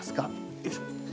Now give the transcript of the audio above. よいしょ。